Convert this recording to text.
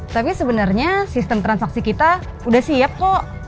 tapi sebenarnya sistem transaksi kita udah siap kok